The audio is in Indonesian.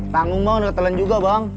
tanggung mau ngetelen juga bang